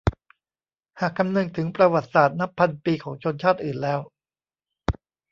หากคำนึงถึงประวัติศาสตร์นับพันปีของชนชาติอื่นแล้ว